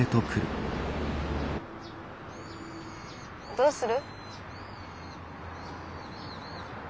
どうする？